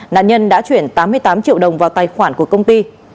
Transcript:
nạn nhân đã chuyển tám mươi tám triệu đồng vào tài khoản của công ty